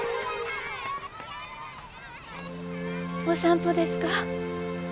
お散歩ですか？